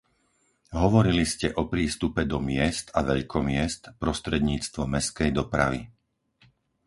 Hovorili ste o prístupe do miest a veľkomiest prostredníctvom mestskej dopravy.